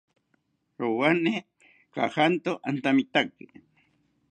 Rowani kajanto antamitaki